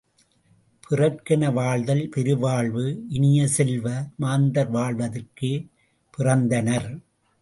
பிறர்க்கென வாழ்தல் பெருவாழ்வு இனிய செல்வ, மாந்தர் வாழ்வதற்கே பிறந்தனர்.